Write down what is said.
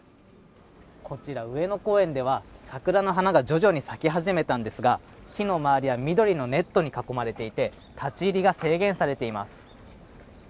こちら上野公園では桜の花が徐々に咲き始めたんですがその周りは緑のネットに囲まれていて立ち入りが制限されています